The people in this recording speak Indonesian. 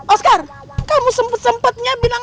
oscar kamu sempet sempetnya bilang